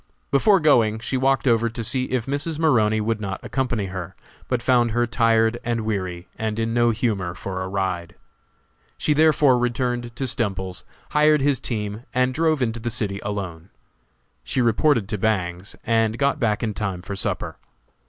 Before going she walked over to see if Mrs. Maroney would not accompany her, but found her tired and weary, and in no humor for a ride. She therefore returned to Stemples's, hired his team and drove into the city alone. She reported to Bangs, and got back in time for supper.